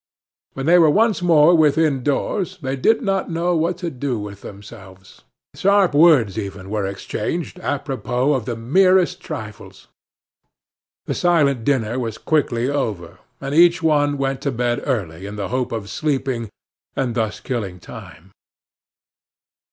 When they were once more within doors they did not know what to do with themselves. Sharp words even were exchanged apropos of the merest trifles. The silent dinner was quickly over, and each one went to bed early in the hope of sleeping, and thus killing time.